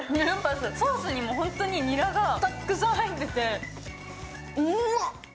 ソースにもホントににらがたくさん入ってて、うまっ。